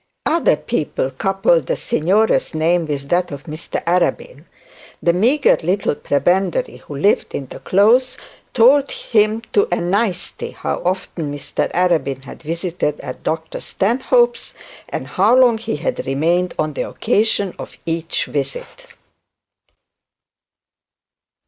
Other people coupled the signora's name with that of Mr Arabin. The meagre little prebendary who lived in the close, told him to a nicety how often Mr Arabin had visited at Dr Stanhope's, and how long he had remained on the occasion of each visit.